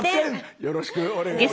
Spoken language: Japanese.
よろしくお願いします。